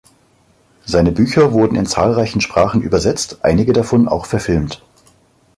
Seine Bücher wurden in zahlreiche Sprachen übersetzt, einige davon auch verfilmt.